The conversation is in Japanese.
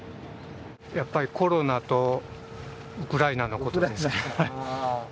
やっぱり、コロナとウクライナのことですね。